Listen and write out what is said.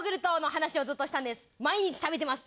毎日食べてます。